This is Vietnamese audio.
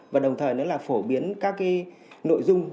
và đồng thời nữa là phổ biến các nội dung